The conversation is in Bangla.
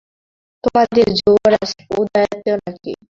তোমাদের যুবরাজ উদয়াদিত্য নাকি?